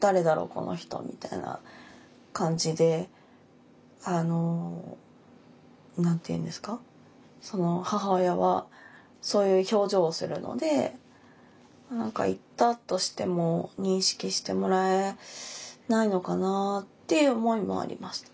この人」みたいな感じであの何て言うんですか母親はそういう表情をするので何か行ったとしても認識してもらえないのかなっていう思いもありました。